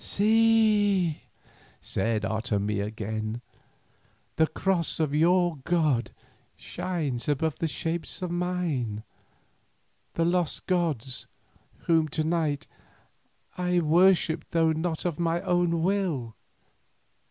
"See," said Otomie again, "the cross of your God shines above the shapes of mine, the lost gods whom to night I worshipped though not of my own will."